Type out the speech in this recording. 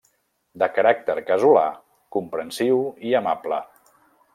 De caràcter casolà, comprensiu i amable.